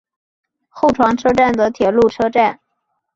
厚床车站的铁路车站。